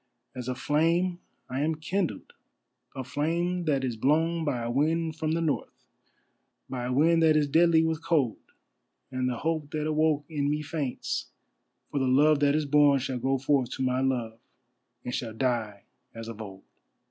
As a flame I am kindled, a flame that is blown by a wind from the North, By a wind that is deadly with cold, And the hope that awoke in me faints, for the Love that is born shall go forth To my Love, and shall die as of old!